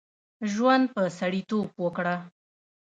ژوند په سړیتوب وکړه.